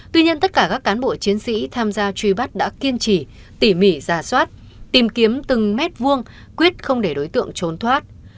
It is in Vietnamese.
tuy nhiên tất cả các cán bộ chiến sĩ tham gia truy bắt đã kiên trì tỉ mỉ giả soát tìm kiếm từng mét vuông quyết không để đối tượng trốn thoát